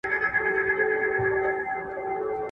نجلۍ په خپله پښتو باندې ډېر بې کچې ناز کاوه.